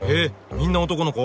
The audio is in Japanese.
みんな男の子？